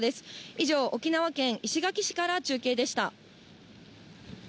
以上、沖縄県石垣市から中継でした。